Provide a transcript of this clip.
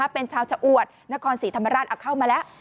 เป็นชาวชะอวดนครศรีธรรมราชเอาเข้ามาแล้ว